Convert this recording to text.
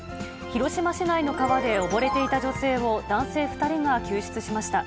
広島市内の川で溺れていた女性を男性２人が救出しました。